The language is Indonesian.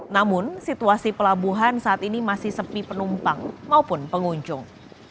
namun situasi pelabuhan saat ini masih sepi penumpang maupun pengunjung